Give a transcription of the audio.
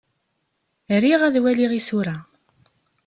Riɣ ad waliɣ isura.